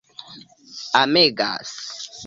amegas